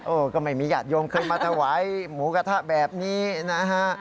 โอ๊ยก็ไม่มีหยาดโยงคือมาถวายหมูกระทะแบบนี้นะฮะ